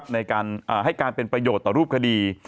ในการให้การเป็นประโยชน์ต่อรูปคดี